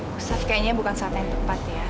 pusat kayaknya bukan saat yang tepat ya